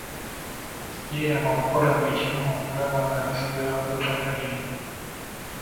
Yeeyama okukola buli kimu okulaba nga basigala ku ttaka lino.